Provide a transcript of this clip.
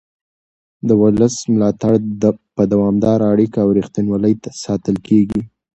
د ولس ملاتړ په دوامداره اړیکه او رښتینولۍ ساتل کېږي